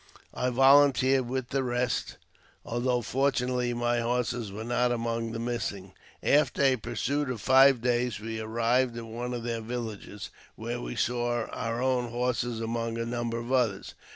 I volunteered with the rest, although fortunately my horses were not among the missing. After a pursuit of five days we arrived at one of their villages, where we saw our own horses, among a number of others.